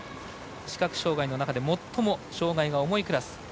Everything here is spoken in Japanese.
視覚障がいの中で最も障がいが重いクラス。